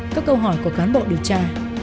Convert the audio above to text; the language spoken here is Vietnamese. các câu hỏi của cán bộ điều tra